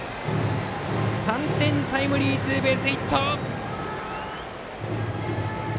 ３点タイムリーツーベースヒット。